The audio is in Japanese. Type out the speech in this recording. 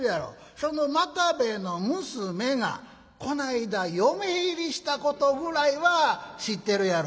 その又兵衛の娘がこないだ嫁入りしたことぐらいは知ってるやろ？」。